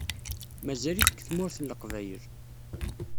Mazal-it deg Tmurt n Leqbayel.